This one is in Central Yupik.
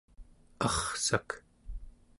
arrsak